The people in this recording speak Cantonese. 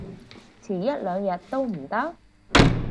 遲一兩日都唔得？